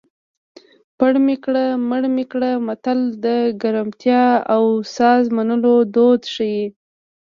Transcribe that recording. پړ مې کړه مړ مې کړه متل د ګرمتیا او سزا منلو دود ښيي